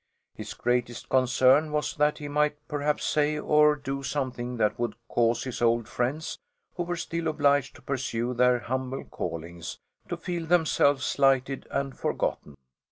His greatest concern was that he might perhaps say or do something that would cause his old friends, who were still obliged to pursue their humble callings, to feel themselves slighted and forgotten.